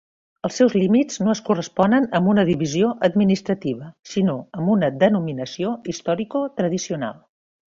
Els seus límits no es corresponen amb una divisió administrativa, sinó amb una denominació històric-tradicional.